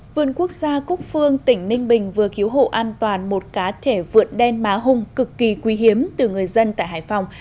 vườn quốc gia cúc phương tỉnh ninh bình vừa cứu hộ an toàn một cá thể vượn đen má hung cực kỳ quý hiếm từ người dân tại hải phòng